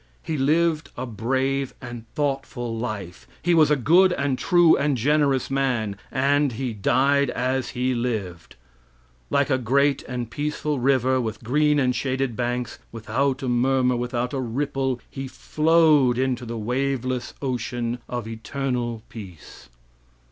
He lived a brave and thoughtful life. He was a good and true and generous man, and "he died as he lived." Like a great and peaceful river with green and shaded banks, without a murmur, without a ripple, he flowed into the waveless ocean of eternal peace.